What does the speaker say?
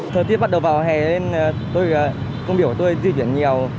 thời tiết bắt đầu vào hè nên công việc của tôi di chuyển nhiều